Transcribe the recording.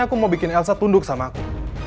aku mau bikin elsa tunduk sama aku